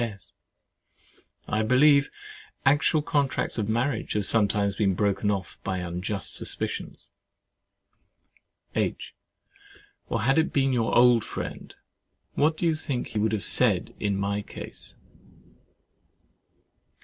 S. I believe, actual contracts of marriage have sometimes been broken off by unjust suspicions. H. Or had it been your old friend, what do you think he would have said in my case?